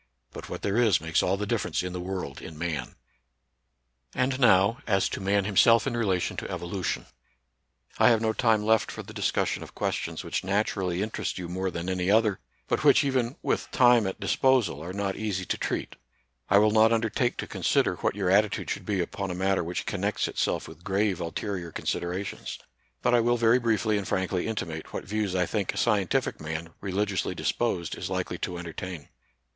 But what there is makes all the difference in the world in man ! And now, as to man himself in relation to evo lution. I have no time left for the discussion 7 98 NATURAL SCIENCE AND RELIGION. of questions which naturally interest you more than any other, but which, even with time at dis posal, are not easy to treat. I will not undertake to consider what your attitude should be upon a matter which connects itself with grave ulterior considerations ; but I will very briefly and frank ly intimate what views I think a scientific man, religiously disposed, is likely to entertain.